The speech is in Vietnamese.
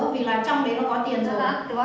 vì là trong đấy nó có tiền rồi